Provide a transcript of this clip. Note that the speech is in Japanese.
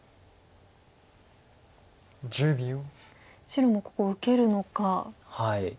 白もここ受けるのか。